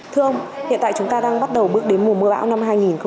thưa ông hiện tại chúng ta đang bắt đầu bước đến mùa mưa bão năm hai nghìn hai mươi